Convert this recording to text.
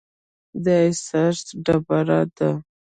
د اساس ډبره ده.